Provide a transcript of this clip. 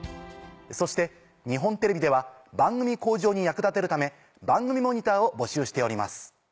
そして日本テレビでは番組向上に役立てるため番組モニターを募集しております。